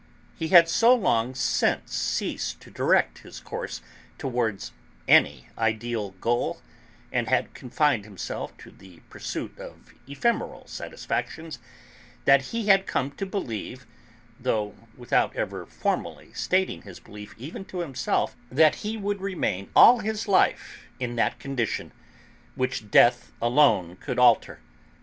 He had so long since ceased to direct his course towards any ideal goal, and had confined himself to the pursuit of ephemeral satisfactions, that he had come to believe, though without ever formally stating his belief even to himself, that he would remain all his life in that condition, which death alone could alter.